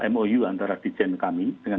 mou antara dijen kami dengan